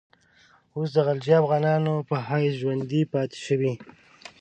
اوس د غلجي افغانانو په حیث ژوندی پاته شوی.